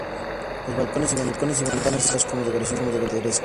Los balcones y ventanas están adornados con decoración plateresca.